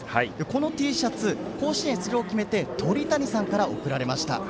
このＴシャツ甲子園出場を決めて鳥谷さんから贈られました。